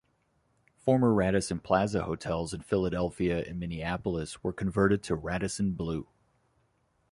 Former Radisson Plaza hotels in Philadelphia and Minneapolis were converted to Radisson Blu.